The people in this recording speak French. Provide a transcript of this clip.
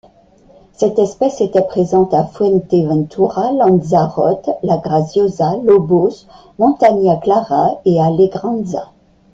Cette espèce était présente à Fuerteventura, Lanzarote, La Graciosa, Lobos, Montaña Clara et Alegranza.